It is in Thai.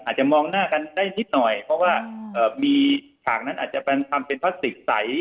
อาจจะมองหน้ากันได้นิดหน่อยเพราะว่ามีฉากนั้นอาจจะทำเป็นพลาสติกใส